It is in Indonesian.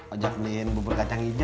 ojak mendingin bubur kacang hijau